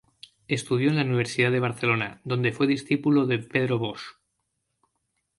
Estudió en la Universidad de Barcelona, donde fue discípulo de Pedro Bosch.